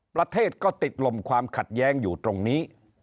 ประเทศก็ติดลมความขัดแย้งอยู่ตรงนี้